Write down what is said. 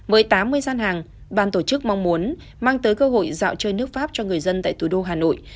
với tám mươi gian hàng ban tổ chức mong muốn mang tới cơ hội dạo chơi nước pháp cho người dân tại thủ đô hà nội